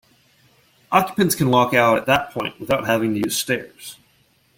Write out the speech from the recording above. Occupants can walk out at that point without having to use stairs.